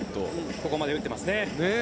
ここまで打ってますね。